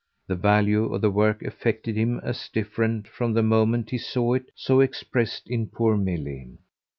The value of the work affected him as different from the moment he saw it so expressed in poor Milly.